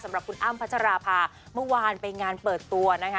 สำหรับคุณอ้ำพัชราภาเมื่อวานไปงานเปิดตัวนะคะ